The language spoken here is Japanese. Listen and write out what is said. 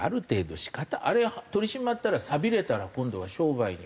あれ取り締まったら寂れたら今度は商売にも。